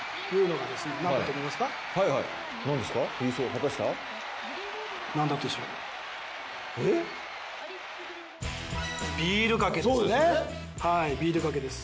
はいビールかけです。